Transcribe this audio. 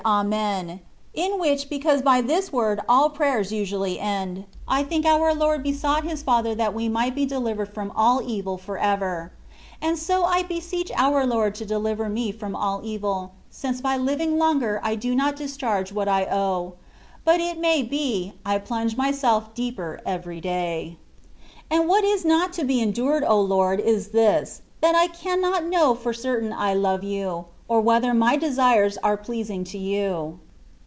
215 ''Amen;^^ in which, because by this word all prayers usually end, I think our Lord besought His Father that we might be delivered from all evd for ever : and so I beseech our Lord to deliver me from all evil, since by living longer I do not discharge what I owe ; but it may be, I plunge myself deeper every day. And what is not to be endured, O Lord ! is this, that I cannot know for certain I love you," or whether my desires are pleasing to you.